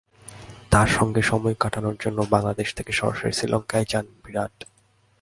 তাঁর সঙ্গে সময় কাটানোর জন্য বাংলাদেশ থেকে সরাসরি শ্রীলঙ্কায় যান বিরাট।